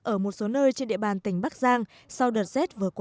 ở một số nơi trên địa bàn tỉnh bắc giang